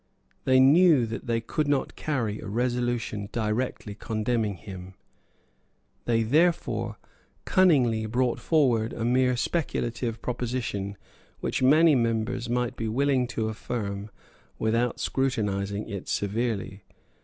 They knew that they could not carry a resolution directly condemning him. They, therefore, cunningly brought forward a mere speculative proposition which many members might be willing to affirm without scrutinising it severely.